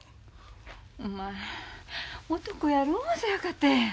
お前男やろそやかて！